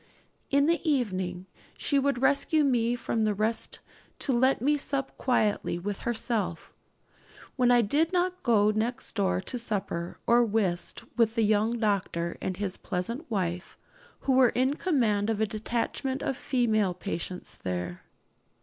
In the evening she would rescue me from the rest to let me sup quietly with herself, when I did not go next door to supper or whist with the young doctor and his pleasant wife, who were in command of a detachment of female patients there.